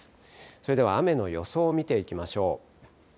それでは雨の予想を見ていきましょう。